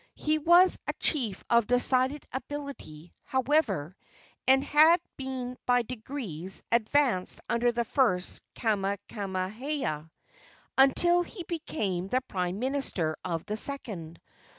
He was a chief of decided ability, however, and had been by degrees advanced under the first Kamehameha, until he became the prime minister of the second.